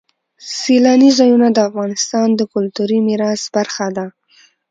سیلانی ځایونه د افغانستان د کلتوري میراث برخه ده.